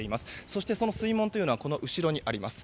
そしてその水門というのはこの後ろにあります。